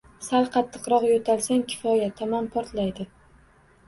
Sal qattiqroq yo`talsang, kifoya, tamom, portlaydi